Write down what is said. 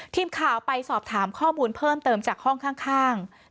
ทีมข่าวไปสอบถามข้อมูลเพิ่มเติมจากห้องข้าง